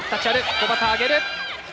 小幡あげる。